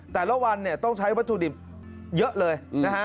แต่ละวันเนี่ยต้องใช้วัตถุดิบเยอะเลยนะฮะ